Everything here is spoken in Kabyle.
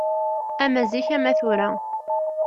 Ama zik ama tura